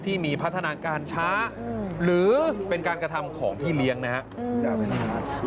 ที่มีพัฒนาการช้าหรือเป็นการกระทำของพี่เลี้ยงนะครับ